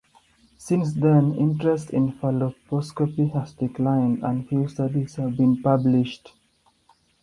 Since then, interest in falloposcopy has declined and few studies have been published.